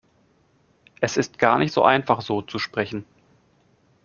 Es ist gar nicht so einfach, so zu sprechen.